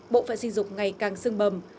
bộ phận sinh dục ngày càng sưng bầm